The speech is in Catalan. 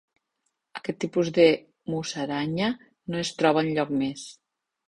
Aquest tipus de musaranya no es troba enlloc més.